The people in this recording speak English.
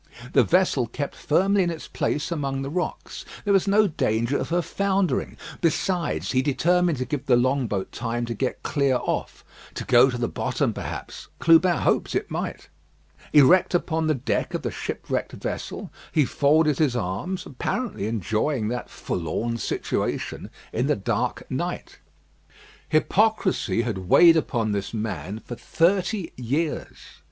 The vessel kept firmly in its place among the rocks; there was no danger of her foundering. Besides, he determined to give the long boat time to get clear off to go to the bottom, perhaps. Clubin hoped it might. Erect upon the deck of the shipwrecked vessel, he folded his arms, apparently enjoying that forlorn situation in the dark night. Hypocrisy had weighed upon this man for thirty years.